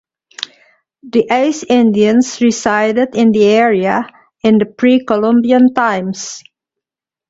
The Ais Indians resided in the area in pre-Columbian times.